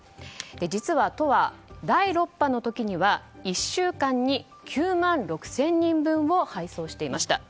実は都は、第６波の時には１週間に９万６０００人分を配送していました。